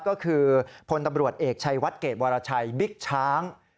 ก็คือพลตำรวจเอกชัยวัดเกรดวรชัยบิ๊กช้าง